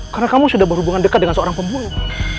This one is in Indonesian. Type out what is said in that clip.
karena kamu sudah berhubungan dekat dengan seorang pembunuh